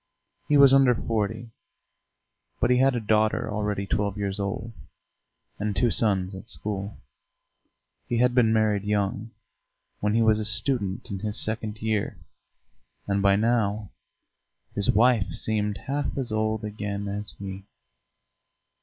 He was under forty, but he had a daughter already twelve years old, and two sons at school. He had been married young, when he was a student in his second year, and by now his wife seemed half as old again as he.